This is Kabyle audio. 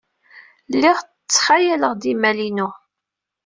Lliɣ ttxayaleɣ-d imal-inu.